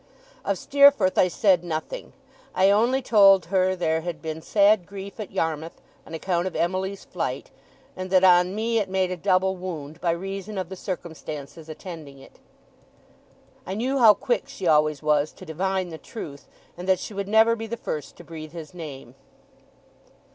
Of Steerforth I said nothing. I only told her there had been sad grief at Yarmouth, on account of Emily's flight; and that on me it made a double wound, by reason of the circumstances attending it. I knew how quick she always was to divine the truth, and that she would never be the first to breathe his name.